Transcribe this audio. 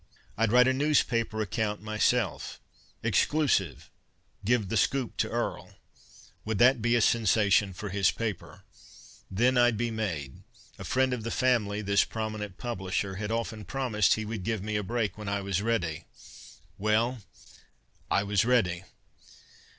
I'd write a newspaper account myself exclusive! Give the scoop to Earl. Would that be a sensation for his paper! Then I'd be made. A friend of the family, this prominent publisher had often promised he would give me a break when I was ready. Well, I was ready!